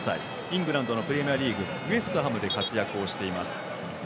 イングランドのプレミアリーグウエストハムで活躍しています。